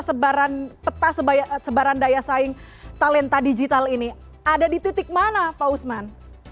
sebaran peta sebaran daya saing talenta digital ini ada di titik mana pak usman